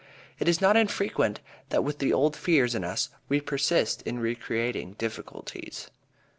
It is not infrequent that with the old fears in us we persist in recreating difficulties.